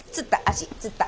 つった。